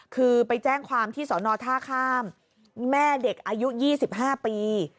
คือไปแจ้งความที่สอนอท่าข้ามแม่เด็กอายุ๒๕ปี